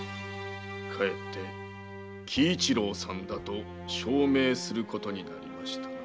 かえって喜一郎さんだと証明することになりましたな。